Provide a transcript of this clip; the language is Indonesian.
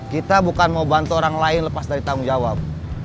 kita bukan mau bantu orang lain lepas dari tanggung jawab